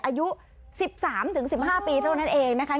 อายุ๑๓๑๕ปีเท่านั้นเองนะคะ